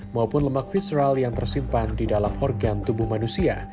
maupun lemak visral yang tersimpan di dalam organ tubuh manusia